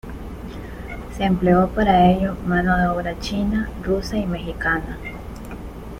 Se empleó para ello, mano de obra china, rusa y mexicana.